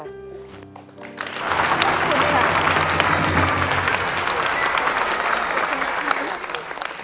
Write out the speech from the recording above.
ขอบคุณค่ะ